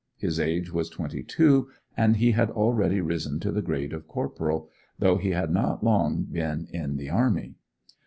His age was twenty two, and he had already risen to the grade of corporal, though he had not long been in the army.